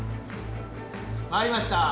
回りました。